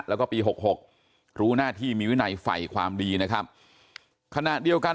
แล้วก็ปี๖๖รู้หน้าที่มีวินัยฝ่ายความดีนะครับขณะเดียวกัน